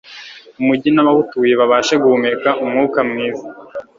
umugi n'abawutuye babashe guhumeka umwuka mwiza.